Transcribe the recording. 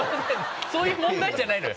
そういう問題じゃないのよ。